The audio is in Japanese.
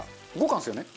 ５缶ですよね？